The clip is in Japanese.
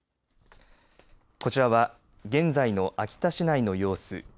こちらは現在の秋田市内の様子。